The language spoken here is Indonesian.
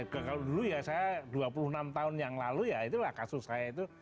kalau dulu ya saya dua puluh enam tahun yang lalu ya itulah kasus saya itu